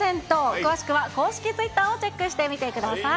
詳しくは公式ホームページをチェックしてみてください。